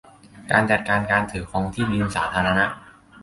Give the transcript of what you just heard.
การจัดการการถือครองที่ดินสาธารณะ